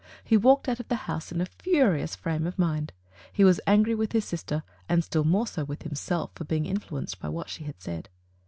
He walked out of the house in a furious frame of mind. He was angry with his sister, and still more so with himself for being influ enced by what she had said.